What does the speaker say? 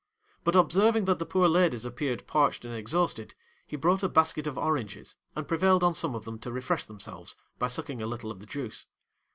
But, observing that the poor ladies appeared parched and exhausted, he brought a basket of oranges and prevailed on some of them to refresh themselves by sucking a little of the juice.